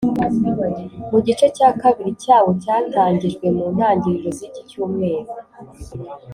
Mu gice cya kabiri cyawo cyatangijwe mu ntangiro z’iki cyumweru